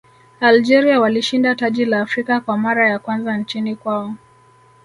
algeria walishinda taji la afrika kwa mara ya kwanza nchini kwao